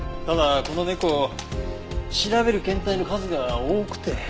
ただこの猫調べる検体の数が多くて。